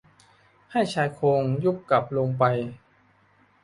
ให้ชายโครงยุบกลับลงไป